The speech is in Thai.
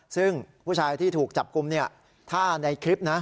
ซึ่งผู้ชายที่ถูกจับกลุ่มเนี่ยถ้าในคลิปนะ